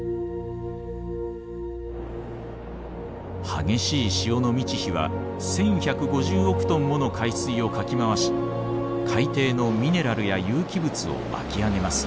激しい潮の満ち干は１，１５０億トンもの海水をかき回し海底のミネラルや有機物を巻き上げます。